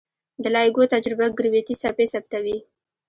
د لایګو تجربه ګرویتي څپې ثبتوي.